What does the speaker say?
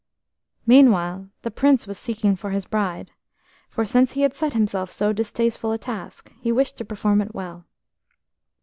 Meanwhile the Prince was seeking for his bride, for since he had set himself so distasteful a task, he wished to perform it well.